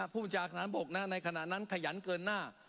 ผู้บุญชาขนาด๖ในขณะนั้นขยันเกินหน้า